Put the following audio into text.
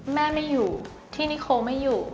แม่ไม่อยู่ที่นิโคไม่อยู่